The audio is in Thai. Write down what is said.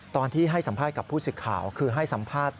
ตอนที่ให้สัมภาษณ์กับผู้สื่อข่าวคือให้สัมภาษณ์